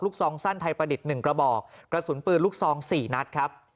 ซองสั้นไทยประดิษฐ์๑กระบอกกระสุนปืนลูกซอง๔นัดครับ